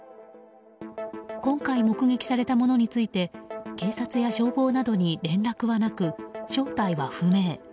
今回目撃されたものについて警察や消防などに連絡はなく正体は不明。